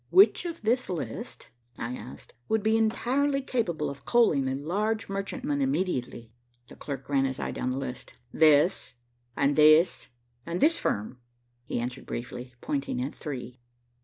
"Which of this list," I asked, "would be entirely capable of coaling a large merchantman immediately?" The clerk ran his eye down the list. "This, and this, and this firm," he answered briefly, pointing at three.